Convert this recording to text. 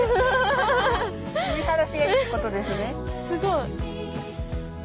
すごい。